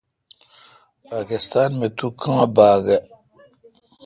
پاکستان می تو کاں باگ اؘ۔